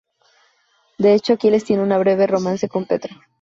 De hecho, Aquiles tiene un breve "romance" con Petra.